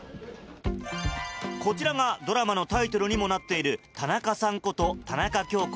こちらがドラマのタイトルにもなっている「田中さん」こと田中京子